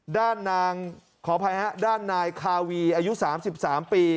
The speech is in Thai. ด้านนางขออภัยฮะด้านนายคาวีอายุ๓๓ปี